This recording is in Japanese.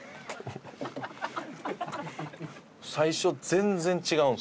最初全然違うんですよ。